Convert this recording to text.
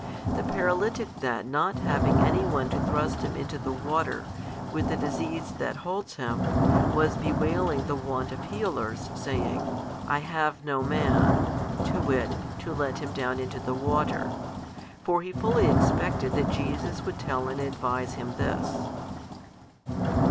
The paralytic then not having any one to thrust him into the water, with the disease that holds him, was bewailing the want of healers, saying, I have no man, to wit to let him down into the water. For he fully expected that Jesus would tell and advise him this.